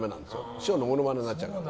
師匠のモノマネになっちゃうから。